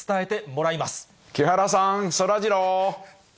木原さん、そらジロー。